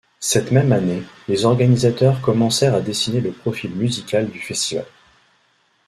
Cette même année, les organisateurs commencèrent à dessiner le profil musical du festival.